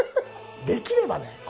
できればね